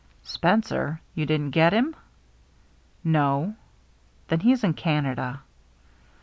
" Spencer ? You didn't get him ?" "No." " Then he's in Canada."